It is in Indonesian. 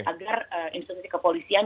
agar institusi kepolisian